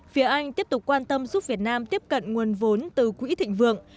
phía anh tiếp tục quan tâm giúp việt nam tiếp cận nguồn vốn từ quỹ thịnh vượng